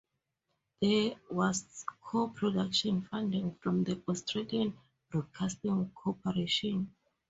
There was co-production funding from the Australian Broadcasting Corporation.